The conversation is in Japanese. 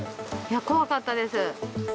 怖かったです。